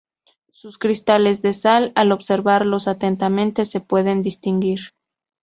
Sus cristales de sal, al observarlos atentamente se pueden distinguir.